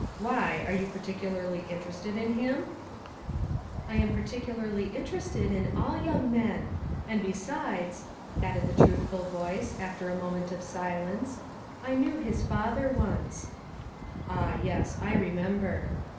Why, are you particularly inter ested in him«? "" I am particularly interested in all young men ; and, besides," added the truthful voice, after a moment of silence, " I knew his father once." "Ah, yes, I remember."